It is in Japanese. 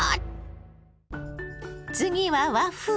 次は和風。